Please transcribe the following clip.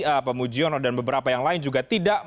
bapak mujiono dan beberapa yang lain juga